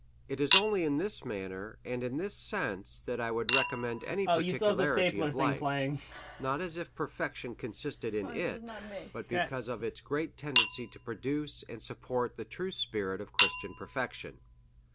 It is only in this manner, and in this sense, that I Avould recommend any particularity of life; not as if perfection con sisted in it, but because of its great tendency to produce and support the true spirit of Christian per fection.